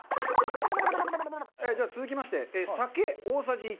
じゃあ続きまして酒大さじ１。